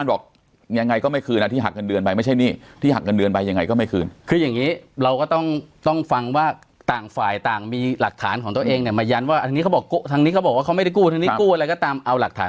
โดยวิธีใช้ให้ผู้ช่วยอีกคนหนึ่งคือลำพา